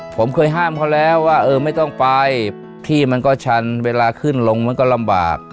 ผมเคยห้ามเขาแล้วว่าเออไม่ต้องไปที่มันก็ชันเวลาขึ้นลงมันก็ลำบาก